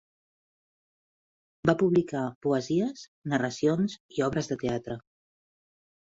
Va Publicar poesies, narracions i obres de teatre.